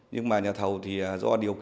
tiến hành thanh lý hợp đồng